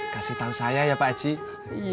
kasih tau saya ya pak zee